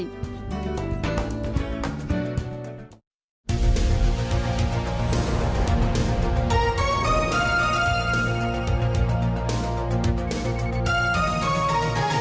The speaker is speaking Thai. โปรดติดตามตอนต่อไป